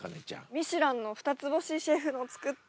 ミシュランの２つ星シェフの作った。